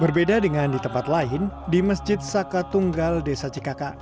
berbeda dengan di tempat lain di masjid saka tunggal desa cikaka